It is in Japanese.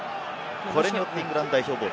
これによってイングランド代表ボール。